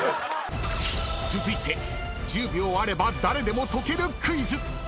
［続いて１０秒あれば誰でも解けるクイズ］